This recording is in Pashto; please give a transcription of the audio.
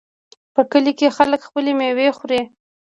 په کلیو کې خلک خپلې میوې خوري.